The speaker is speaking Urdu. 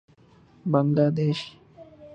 بنگلہ دیش